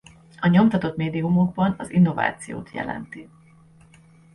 A nyomtatott médiumokban az innovációt jelenti.